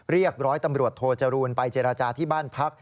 ร้อยตำรวจโทจรูลไปเจรจาที่บ้านพัก